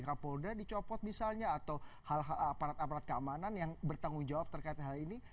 kapolda dicopot misalnya atau aparat aparat keamanan yang bertanggung jawab terkait hal ini